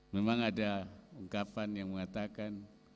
memang ada ungkapan yang mengatakan